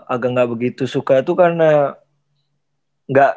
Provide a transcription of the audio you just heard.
agak gak begitu suka tuh karena